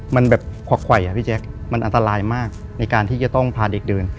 มันแบบควักไขวะพี่แจ๊คมันอันตรายมากในการที่จะต้องพาเด็กเดิน